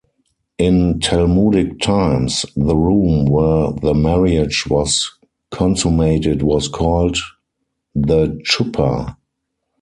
In Talmudic times, the room where the marriage was consummated was called the "chuppah".